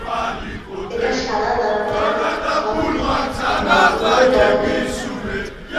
এটা সাদা দানাদার স্ফটিক এবং উগ্র গন্ধযুক্ত।